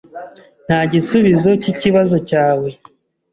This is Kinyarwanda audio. Nta gisubizo cyikibazo cyawe.